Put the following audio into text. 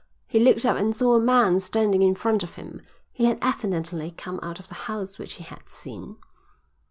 He looked up and saw a man standing in front of him. He had evidently come out of the house which he had seen.